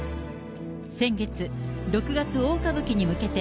先月、六月大歌舞伎に向けて、